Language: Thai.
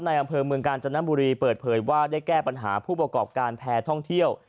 อำเภอเมืองกาญจนบุรีเปิดเผยว่าได้แก้ปัญหาผู้ประกอบการแพร่ท่องเที่ยว